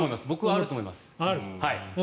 あると思います。